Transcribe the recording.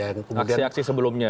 aksi aksi sebelumnya ya